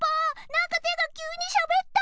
なんかてがきゅうにしゃべった！